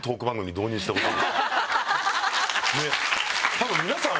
たぶん皆さん